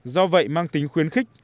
do vậy mang tính khuyến khích